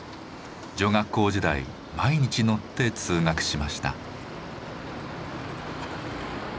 女学校時代毎日乗って通学しました。